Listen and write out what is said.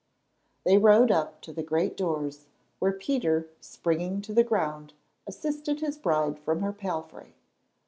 They rode up to the great doors, where Peter, springing to the ground, assisted his bride from her palfrey.